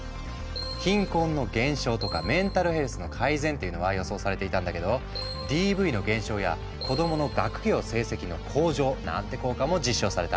貧困の減少とかメンタルヘルスの改善っていうのは予想されていたんだけどＤＶの減少や子どもの学業成績の向上なんて効果も実証された。